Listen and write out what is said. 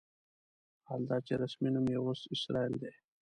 حال دا چې رسمي نوم یې اوس اسرائیل دی.